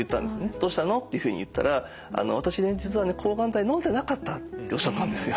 「どうしたの？」っていうふうに言ったら「私ね実はね抗がん剤のんでなかった」っておっしゃったんですよ。